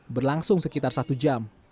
berlangsung sekitar satu jam